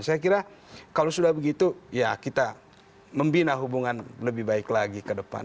saya kira kalau sudah begitu ya kita membina hubungan lebih baik lagi ke depan